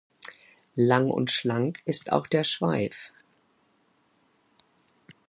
Lang und schlank ist auch der Schweif.